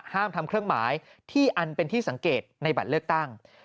ห้ามทำเครื่องหมายที่อันเป็นที่สังเกตในบัตรเลือกตั้ง